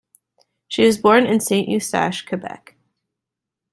She was born in Saint-Eustache, Quebec.